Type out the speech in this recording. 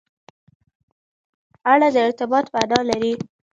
اړه د ارتباط معنا لري.